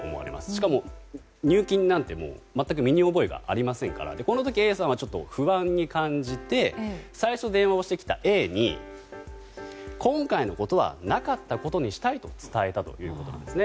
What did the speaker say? しかも、入金なんて全く身に覚えがありませんからこの時被害者は不安に感じて最初に電話してきたＡに今回のことはなかったことにしたいと伝えたということです。